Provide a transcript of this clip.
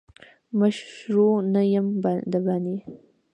مشرو نه یم دباندي.